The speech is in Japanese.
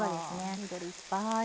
緑いっぱい。